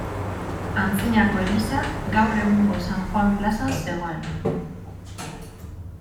Antzinako eliza gaur egungo San Joan plazan zegoen.